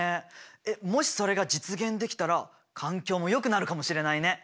えっもしそれが実現できたら環境もよくなるかもしれないね！